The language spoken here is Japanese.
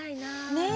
ねえ！